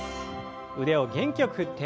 腕を元気よく振って。